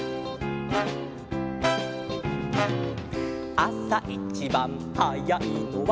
「あさいちばんはやいのは」